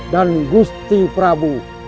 dan gusti prabu